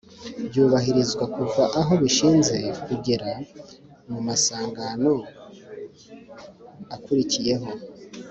byubahirizwa kuva aho bishinze kugera mu amasangano akurikiyeho